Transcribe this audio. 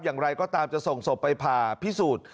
อย่างไรก็ตามจะส่งศพไปผ่าพิสูจน์